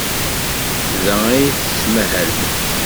Da ay tettmahalemt?